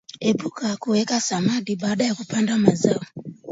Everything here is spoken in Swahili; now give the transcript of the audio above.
Epuka kuweka samadi baada ya kupanda mazao